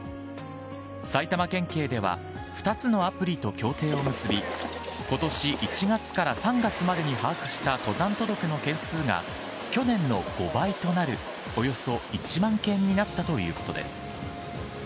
埼玉県警では２つのアプリと協定を結び、ことし１月から３月までに把握した登山届の件数が去年の５倍となる、およそ１万件になったということです。